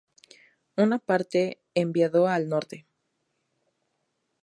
Una parte enviado al Norte.